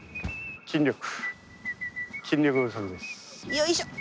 よいしょっ！